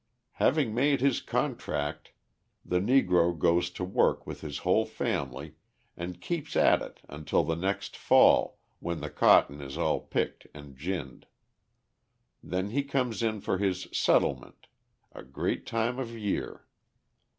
Having made his contract the Negro goes to work with his whole family and keeps at it until the next fall when the cotton is all picked and ginned. Then he comes in for his "settlement" a great time of year.